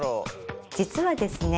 実はですね